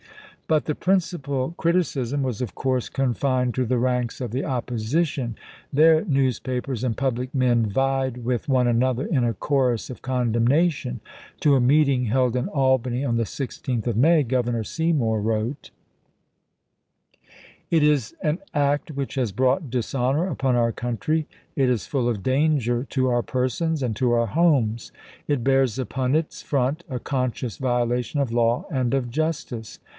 But the principal criticism was, of course, confined to the ranks of the opposi tion. Their newspapers and public men vied with one another in a chorus of condemnation. To a meeting, held in Albany on the 16th of May, Gov i863. ernor Seymour wrote : It is an act which has brought dishonor upon our country; it is full of danger to our persons and to our homes j it hears upon its front a conscious violation of law and of justice.